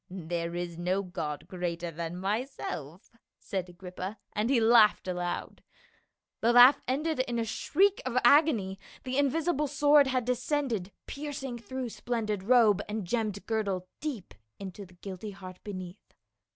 " There is no god greater than myself," said Agrippa, and he laughed aloud. The laugh ended in a shriek of agony ; the invisible sword had descended, piercing through splendid robe and gemmed girdle deep to the guilty heart beneath.